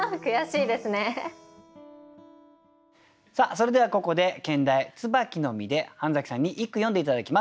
それではここで兼題「椿の実」で半さんに一句詠んで頂きます。